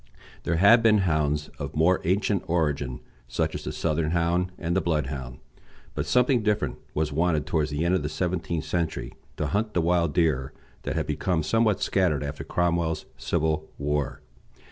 There had been hounds of more ancient origin, such as the Southern Hound and the Bloodhound; but something different was wanted towards the end of the seventeenth century to hunt the wild deer that had become somewhat scattered after Cromwell's civil war.